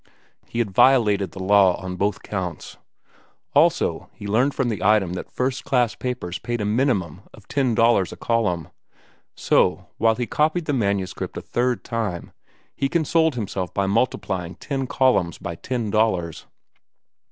He had violated the law on both counts. Also, he learned from the item that first class papers paid a minimum of ten dollars a column. So, while he copied the manuscript a third time, he consoled himself by multiplying ten columns by ten dollars.